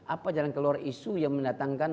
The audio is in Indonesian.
apa jalan keluar isu yang mendatangkan